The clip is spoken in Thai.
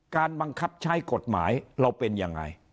บังคับใช้กฎหมายเราเป็นยังไง